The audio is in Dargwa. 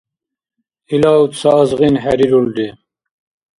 Илав ца азгъин хӀерирулри.